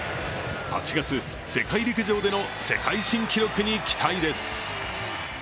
８月、世界陸上での世界新記録に期待です。